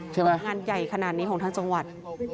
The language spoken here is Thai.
งานใหญ่ขนาดนี้ของทางจังหวัด